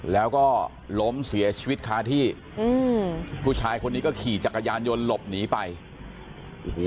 แล้วก็ล้มเสียชีวิตคาที่อืมผู้ชายคนนี้ก็ขี่จักรยานยนต์หลบหนีไปโอ้โห